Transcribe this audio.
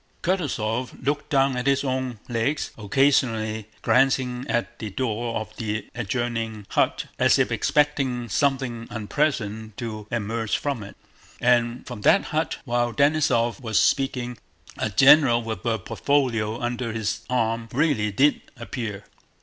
Kutúzov looked down at his own legs, occasionally glancing at the door of the adjoining hut as if expecting something unpleasant to emerge from it. And from that hut, while Denísov was speaking, a general with a portfolio under his arm really did appear.